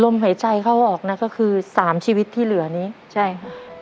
หายใจเข้าออกนะก็คือสามชีวิตที่เหลือนี้ใช่ค่ะ